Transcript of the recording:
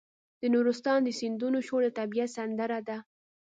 د نورستان د سیندونو شور د طبیعت سندره ده.